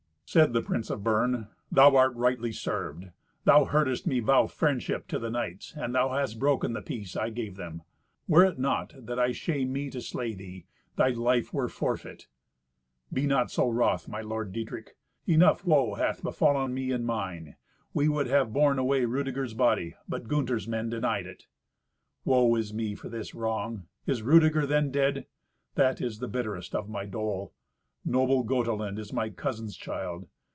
Said the prince of Bern, "Thou art rightly served. Thou heardest me vow friendship to the knights, and thou hast broken the peace I gave them. Were it not that I shame me to slay thee, thy life were forfeit." "Be not so wroth, my lord Dietrich. Enough woe hath befallen me and mine. We would have borne away Rudeger's body, but Gunther's men denied it." "Woe is me for this wrong! Is Rudeger then dead? That is the bitterest of my dole. Noble Gotelind is my cousin's child.